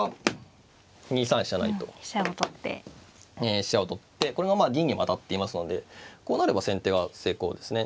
飛車を取ってこれが銀にも当たっていますのでこうなれば先手が成功ですね。